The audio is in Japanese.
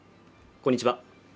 こんにちは